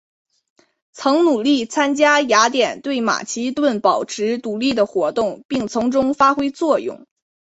曾努力参加雅典对马其顿保持独立的活动并从中发挥作用。